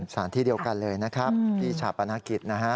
สถานที่เดียวกันเลยนะครับที่ชาปนกิจนะฮะ